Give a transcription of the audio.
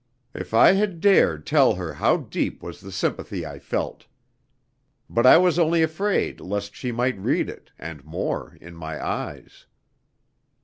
If I had dared tell her how deep was the sympathy I felt! But I was only afraid lest she might read it, and more, in my eyes.